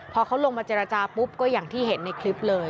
พอเขาลงมาเจรจาปุ๊บก็อย่างที่เห็นในคลิปเลย